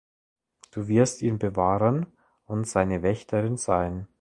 Du wirst ihn bewahren und seine Wächterin sein.